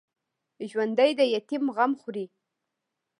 ژوندي د یتیم غم خوري